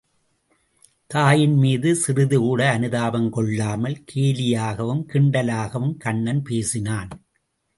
தாயின் மீது சிறிதுகூட அனுதாபம் கொள்ளாமல் கேலியாகவும், கிண்டலாகவும், கண்ணன் பேசினான்.